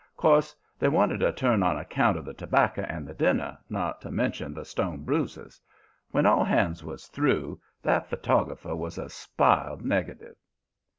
'Course they wanted a turn on account of the tobacco and the dinner, not to mention the stone bruises. When all hands was through, that photographer was a spiled negative.